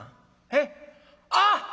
「へっ？あっ！